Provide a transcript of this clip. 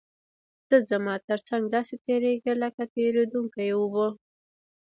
ته زما تر څنګ داسې تېرېږې لکه تېرېدونکې اوبه.